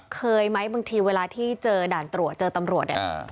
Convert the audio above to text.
เคยไหมบางทีเวลาที่เจอด่านตรวจเจอตำรวจเนี่ย